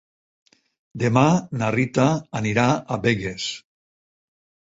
Demà na Rita anirà a Begues.